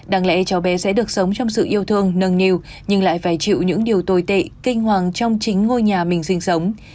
đáng lẽ cháu bé sẽ được sống trong sự yêu thương nâng niu nhưng lại phải chịu những điều tồi tệ kinh hoàng trong chính ngôi nhà mình sinh sống